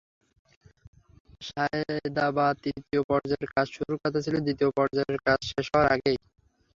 সায়েদাবাদ তৃতীয় পর্যায়ের কাজ শুরুর কথা ছিল দ্বিতীয় পর্যায়ের কাজ শেষ হওয়ার আগেই।